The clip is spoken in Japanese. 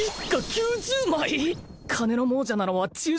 金の亡者なのは治癒